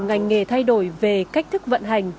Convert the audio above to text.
ngành nghề thay đổi về cách thức vận hành